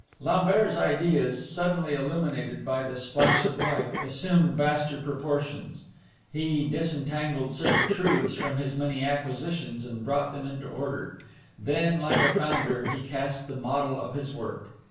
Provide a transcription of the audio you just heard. Lambert's ideas, suddenly illuminated by this flash of light, assumed vaster proportions; he disentangled certain truths from his many acquisitions and brought them into order; then, like a founder, he cast the model of his work.